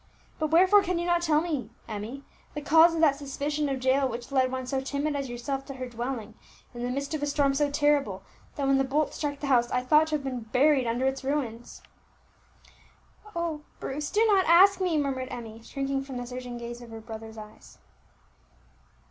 But wherefore can you not tell me, Emmie, the cause of that suspicion of Jael which led one so timid as yourself to her dwelling in the midst of a storm so terrible, that when the bolt struck the house I thought to have been buried under its ruins?" "Oh! Bruce, do not ask me!" murmured Emmie, shrinking from the searching gaze of her brother's eyes.